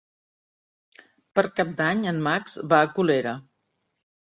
Per Cap d'Any en Max va a Colera.